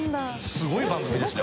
すごい番組ですね